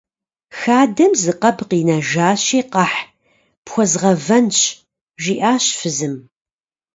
Хадэм зы къэб къинэжащи, къэхь, пхуэзгъэвэнщ, - жиӀащ фызым.